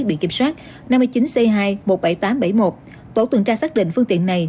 biển kiểm soát năm mươi chín c hai một mươi bảy nghìn tám trăm bảy mươi một tổ tuần tra xác định phương tiện này